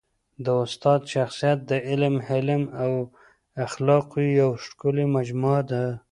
د استاد شخصیت د علم، حلم او اخلاقو یوه ښکلي مجموعه ده.